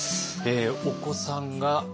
お子さんが３人？